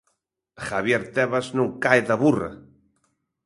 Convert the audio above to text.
Javier Tebas non cae da burra.